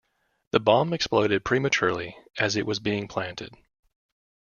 The bomb exploded prematurely as it was being planted.